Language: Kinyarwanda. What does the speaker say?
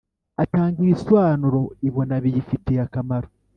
Atanga ibisobanuro ibona biyifitiye akamaro